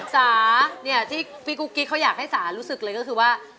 สาที่พี่กุ๊กกิ๊กเขาอยากให้สารู้สึกเลยก็คือว่า